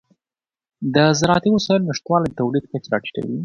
د زراعتي وسایلو نشتوالی د تولید کچه راټیټوي.